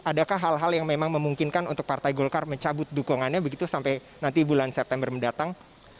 adakah hal hal yang memang memungkinkan untuk partai golkar mencabut dukungannya begitu sampai nanti bulan september mendatang